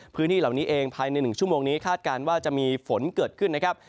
พื้นที่เหล่านี้เองภายใน๑ชั่วโมงนี้คาดการณ์ว่าจะมีฝนเกิดขึ้นนะครับ